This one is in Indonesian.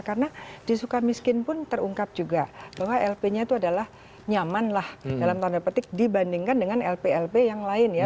karena disuka miskin pun terungkap juga bahwa lp nya itu adalah nyaman lah dalam tanda petik dibandingkan dengan lp lp yang lain ya